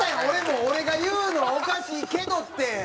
俺も「俺が言うのはおかしいけど」って。